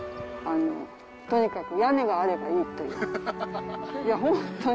とにかく屋根があればいいという。